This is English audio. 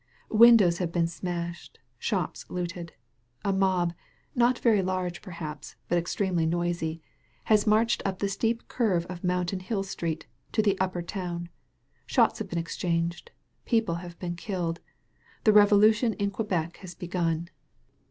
Windows have been smashed, shops looted. A mob, not very large perhaps, but extremely noisy, has marched up the steep curve of Mountain Hill Street, into the Upper Town. Shots have been exchanged. People have been killed. The revo lution in Quebec has begun.